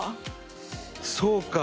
そうか！